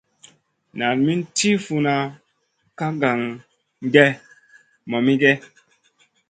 Nan min tiʼi funna kaʼa kaŋ gèh mamigèh?